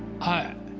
はい。